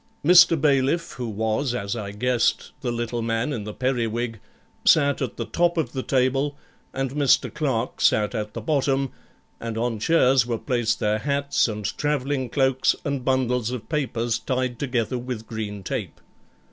Mr. Bailiff, who was, as I guessed, the little man in the periwig, sat at the top of the table, and Mr. Clerk sat at the bottom, and on chairs were placed their hats, and travelling cloaks, and bundles of papers tied together with green tape.